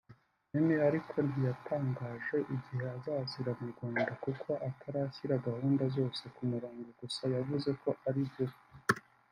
Emmy ariko ntiyatangaje igihe azazira mu Rwanda kuko atarashyira gahunda zose ku murongo gusa yavuze ko ari vuba